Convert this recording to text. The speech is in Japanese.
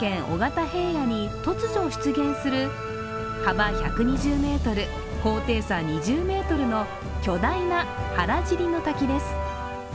緒方平野に突如出現する幅１２０ｍ、高低差２０ｍの巨大な原尻の滝です。